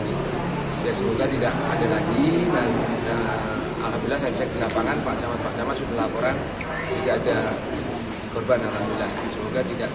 memang goyangannya cukup banget ya